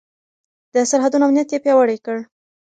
د سرحدونو امنيت يې پياوړی کړ.